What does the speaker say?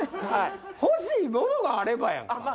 欲しいものがあればやんか。